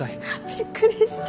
びっくりした。